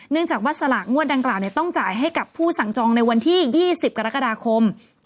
จากว่าสลากงวดดังกล่าวต้องจ่ายให้กับผู้สั่งจองในวันที่๒๐กรกฎาคม